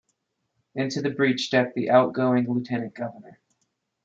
Into the breach stepped the outgoing lieutenant governor.